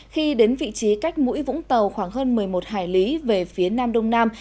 khi đến vị trí cách mũi vũng tàu khoảng hơn một mươi một hải lý về phía nam đông nam